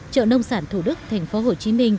chợ nông sản thủ đức tp hcm